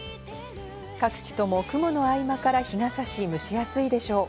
各地とも雲の合間から日が差し蒸し暑いでしょう。